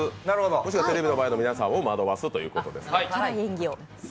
もしくはテレビの前の皆さんを惑わすということです。